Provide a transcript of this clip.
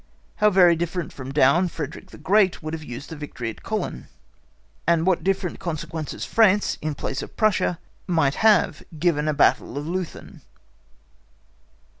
How very differently from Daun, Frederick the Great would have used the victory at Kollin; and what different consequences France, in place of Prussia, might have given a battle of Leuthen!